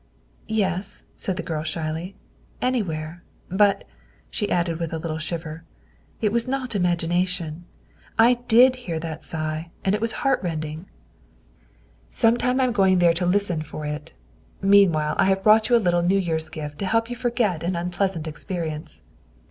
" Yes," said the girl shyly, " anywhere. But," she added with a little shiver, " it was not imagination. I did hear that sigh, and it was heart rending." " Sometime I am going there to listen for it, mean 14 210 THE WIFE OF while I have brought you a little New Year's gift to help you forget an unpleasant experience."